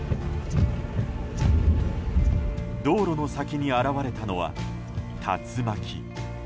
道路の先に現れたのは竜巻。